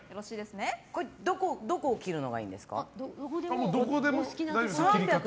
どこを切るのがいいんですか。